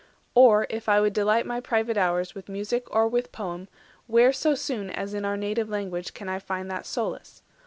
330 Or, if I would delight my private hours With music or with poem, where so soon As in our native language can I find That solace?